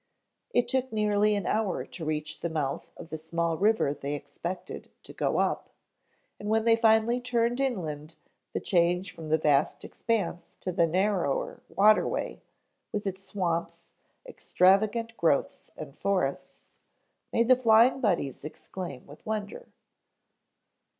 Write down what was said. It took nearly an hour to reach the mouth of the small river they expected to go up, and when they finally turned inland the change from the vast expanse to the narrower waterway, with its swamps, extravagant growths and forests, made the Flying Buddies exclaim with wonder.